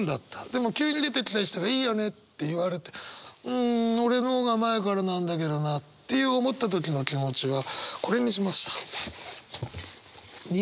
でも急に出てきた人がいいよねって言われてうん俺の方が前からなんだけどなって思った時の気持ちはこれにしました。